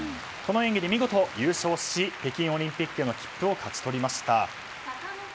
この演技で見事優勝し北京オリンピックへの切符を勝ち取りました。